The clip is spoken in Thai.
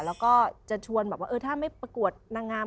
แล้วก็จะชวนแบบว่าเออถ้าไม่ประกวดนางงาม